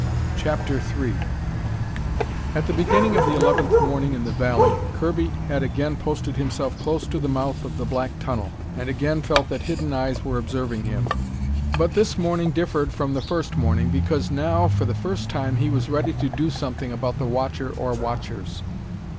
CHAPTER III At the beginning of the eleventh morning in the valley, Kirby had again posted himself close to the mouth of the black tunnel, and again felt that hidden eyes were observing him. But this morning differed from the first morning, because now, for the first time, he was ready to do something about the watcher or watchers.